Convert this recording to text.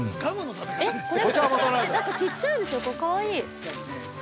これ、ちっちゃいですよ、かわいい。